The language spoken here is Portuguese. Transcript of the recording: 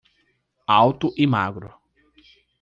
Alto e magro